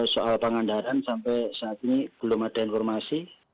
soal pangandaran sampai saat ini belum ada informasi